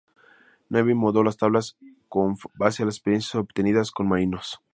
Navy modificó las tablas con base en las experiencias obtenidas con marinos.